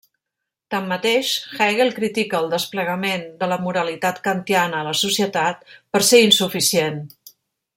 Tanmateix, Hegel critica el desplegament de la moralitat kantiana a la societat per ser insuficient.